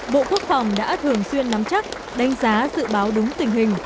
bộ quốc phòng đã thường xuyên nắm chắc đánh giá dự báo đúng tình hình